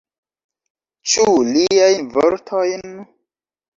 Ĉu liajn vortojn?